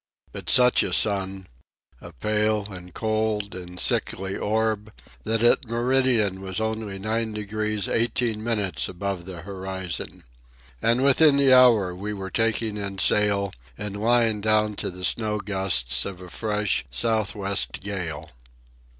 But such a sun!—a pale and cold and sickly orb that at meridian was only 90 degrees 18 minutes above the horizon. And within the hour we were taking in sail and lying down to the snow gusts of a fresh south west gale.